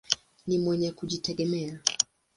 Ni mwenye kujitegemea.